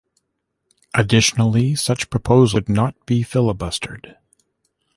Additionally, such proposals could not be filibustered.